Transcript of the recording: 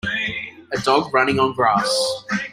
A dog running on grass